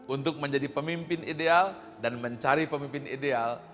untuk menjadi pemimpin ideal dan mencari pemimpin ideal